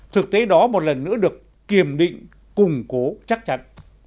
thực tế đó một lần nữa được kiềm định củng cố chắc chắn